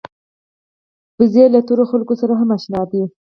وزې له تورو خلکو سره هم اشنا ده